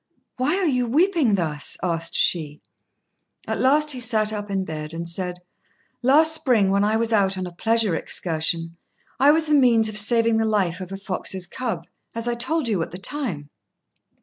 "Why are you weeping thus?" asked she. At last he sat up in bed, and said, "Last spring, when I was out on a pleasure excursion, I was the means of saving the life of a fox's cub, as I told you at the time.